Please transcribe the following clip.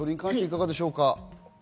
いかがでしょうか？